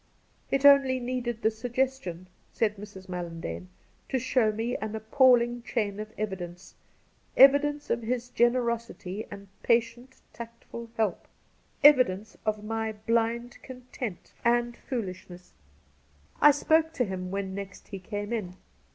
' It only needed the suggestion,' said Mrs. Mal landane, ' to show me an appalling chain of evi dence — evidence of his generosity and patient tactful help— evidence of my blind content and 1 68 Cassidy foolishnees. I spoke to him when next he came in.